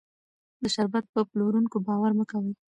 د شربت په پلورونکو باور مه کوئ.